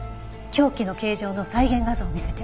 凶器の形状の再現画像を見せて。